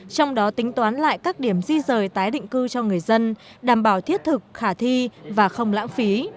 trong đó tính toán lại các điểm di rời tái định cư cho người dân đảm bảo thiết thực khả thi và không lãng phí